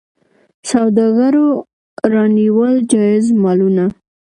سوداګرو رانیول جایز مالونه.